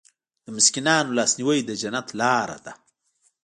د مسکینانو لاسنیوی د جنت لاره ده.